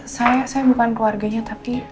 saya bukan keluarganya tapi